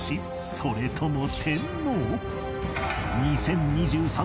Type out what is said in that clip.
それとも天皇？